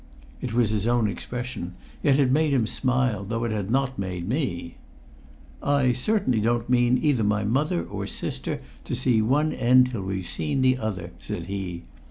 It was his own expression, yet it made him smile, though it had not made me. "I certainly don't mean either my mother or sister to see one end till we've seen the other," said he.